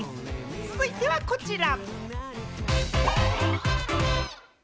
続いてはこちら。